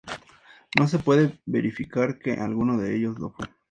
No se puede verificar que alguno de ellos lo fue.